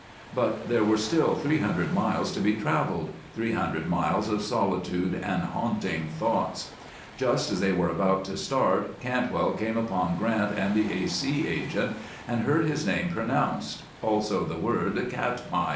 But there were still three hundred miles to be traveled, three hundred miles of solitude and haunting thoughts. Just as they were about to start, Cantwell came upon Grant and the A. C. agent, and heard his name pronounced, also the word "Katmai."